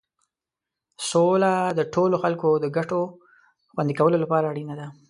سوله د ټولو خلکو د ګټو خوندي کولو لپاره اړینه ده.